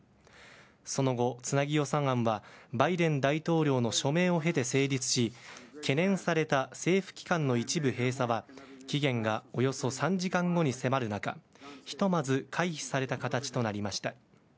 その後、つなぎ予算案はバイデン大統領の署名を経て成立し懸念された政府機関の一部閉鎖は期限がおよそ３時間後に迫る中ひとまず回避された形となりました。